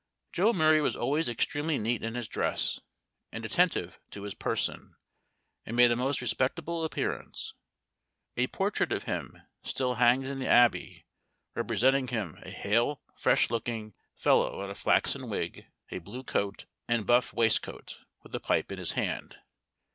Joe Murray was always extremely neat in his dress, and attentive to his person, and made a most respectable appearance. A portrait of him still hangs in the Abbey, representing him a hale fresh looking fellow, in a flaxen wig, a blue coat and buff waistcoat, with a pipe in his hand.